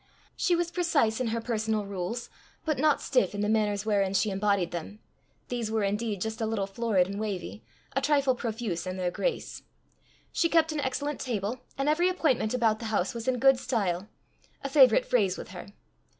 She was precise in her personal rules, but not stiff in the manners wherein she embodied them: these were indeed just a little florid and wavy, a trifle profuse in their grace. She kept an excellent table, and every appointment about the house was in good style a favourite phrase with her.